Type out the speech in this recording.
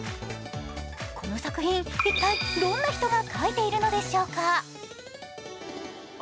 この作品、一体どんな人が描いているのでしょうか？